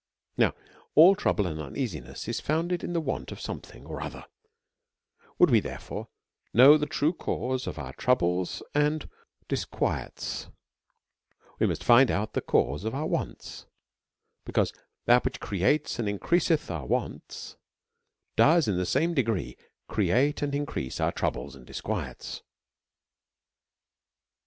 Now, all trouble and uneasiness is founded in the want of something or otlier ; would we therefore know the true cause of our troubles and disquiets, we must find out the cause of our wants ; because that i3 lis A SERIOUS CALL TO A which creates and increases our wants, does, in the same degree^ create and increase our troubles and dis quiets.